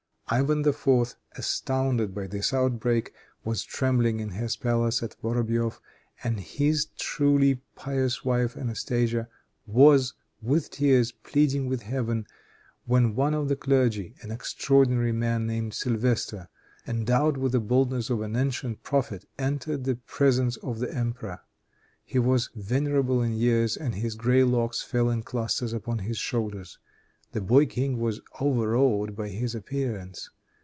Ivan IV., astounded by this outbreak, was trembling in his palace at Vorobeif, and his truly pious wife, Anastasia, was, with tears, pleading with Heaven, when one of the clergy, an extraordinary man named Sylvestre, endowed with the boldness of an ancient prophet, entered the presence of the emperor. He was venerable in years, and his gray locks fell in clusters upon his shoulders. The boy king was overawed by his appearance.